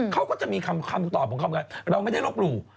เขาก็จะมีคำตอบของเขาว่าเราไม่ได้รบรู้